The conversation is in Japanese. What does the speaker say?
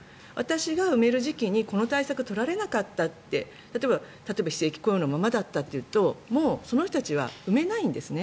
私が産める時期にこの対策を取られなかったって例えば非正規雇用のままだというとその人たちは産めないんですね。